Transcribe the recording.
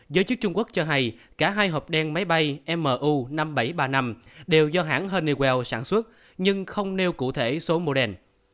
giới chức trung quốc cho hay cả hai hộp đen máy bay mu năm nghìn bảy trăm ba mươi năm đều do hãng honeywell sản xuất nhưng không nêu cụ thể số mô đen